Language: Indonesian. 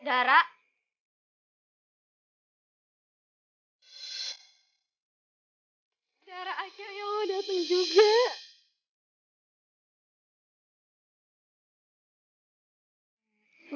dara akhirnya mau dateng juga